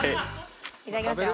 いただきますよ。